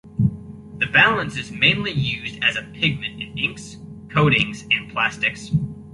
The balance is mainly used as a pigment in inks, coatings and plastics.